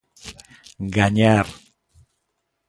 Gañar.